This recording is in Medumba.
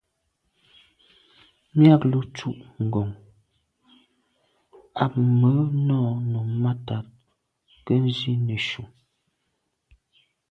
Miaglo tù’ ngom am me nô num mata nke nzi neshu.